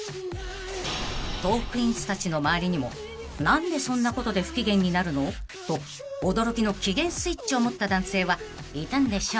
［トークィーンズたちの周りにも「何でそんなことで不機嫌になるの？」と驚きの機嫌スイッチを持った男性はいたんでしょうか］